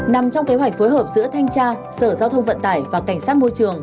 nằm trong kế hoạch phối hợp giữa thanh tra sở giao thông vận tải và cảnh sát môi trường